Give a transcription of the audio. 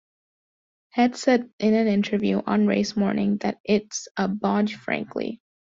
Head said in an interview on race morning that It's a bodge frankly.